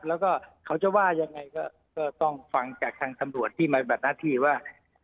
แล้วก็เขาจะว่ายังไงก็ต้องฟังจากทางตำรวจที่มาบัดหน้าที่ว่า